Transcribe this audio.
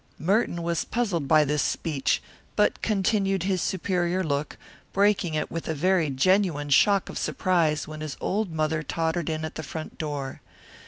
Merton was puzzled by this speech, but continued his superior look, breaking it with a very genuine shock of surprise when his old mother tottered in at the front door.